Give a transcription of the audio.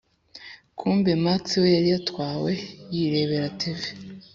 kumbe max we yari yatwawe yirebera tv,